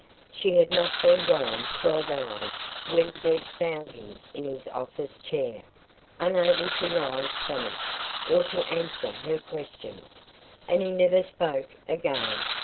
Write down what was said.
She had not been gone twelve hours when Deb found him in his office chair, unable to rise from it, or to answer her questions. And he never spoke again.